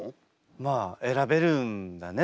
まあ選べるんだねそこは。